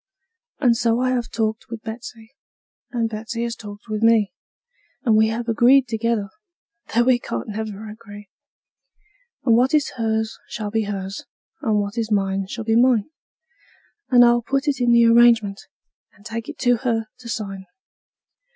And so I have talked with Betsey, and Betsey has talked with me, And we have agreed together that we can't never agree; And what is hers shall be hers, and what is mine shall be mine; And I'll put it in the agreement, and take it to her to sign.